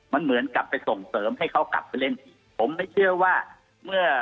มันเหมือนกลับไปส่งเสริมให้เขากลับไปเล่นอีกผมไม่เชื่อว่าเมื่อ